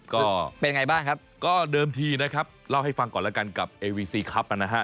ก็เป็นไงบ้างครับก็เดิมทีนะครับเล่าให้ฟังก่อนแล้วกันกับเอวีซีครับนะฮะ